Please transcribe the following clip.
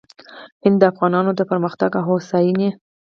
هند د افغانانو د پرمختګ او هوساینې